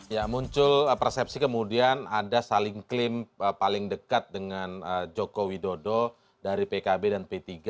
ya muncul persepsi kemudian ada saling klaim paling dekat dengan joko widodo dari pkb dan p tiga